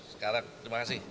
sekarang terima kasih